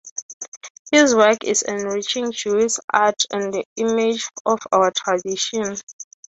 His work is enriching Jewish art and the image of our tradition.